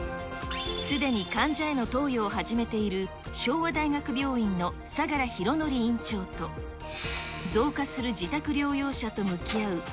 すでに患者への投与を始めている、昭和大学病院の相良博典院長と、増加する自宅療養者と向き合う